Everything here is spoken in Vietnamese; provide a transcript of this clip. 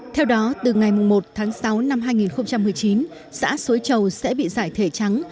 theo đó từ ngày một tháng sáu năm hai nghìn một mươi chín xã suối chầu sẽ bị giải thể trắng